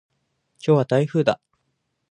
今日は台風だ。